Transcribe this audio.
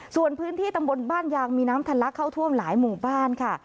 ส่วนพื้นที่ตำบลบ้านยางมีน้ำทะลักเข้าท่วมหลายหมู่บ้านค่ะ